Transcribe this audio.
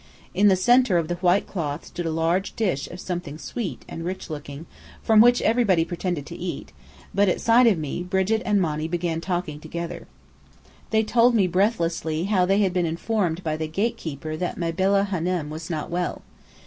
In the centre of the white cloth stood a large dish of something sweet and rich looking, from which everybody pretended to eat; but at sight of me, Brigit and Monny began talking together. They told me breathlessly how they had been informed by the gatekeeper that "Mabella Hânem" was not well.